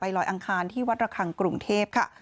ลอยอังคารที่วัดระคังกรุงเทพค่ะ